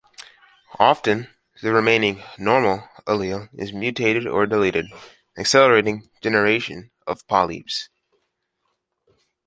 Often, the remaining "normal" allele is mutated or deleted, accelerating generation of polyps.